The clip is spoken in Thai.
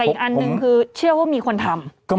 อีกอันหนึ่งคือเชื่อว่ามีคนทำ